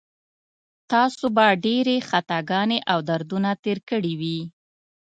تاسو به ډېرې خطاګانې او دردونه تېر کړي وي.